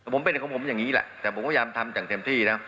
ผมเป็นของผมอย่างนี้แหละแต่ผมพยายามทำอย่างเต็มที่นะ